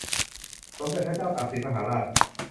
สมเด็จพระเจ้าตากสินมหาราช